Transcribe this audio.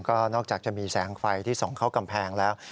ก็นอกจากจะมีแสงไฟที่ส่องเข้ากำแพงแล้ว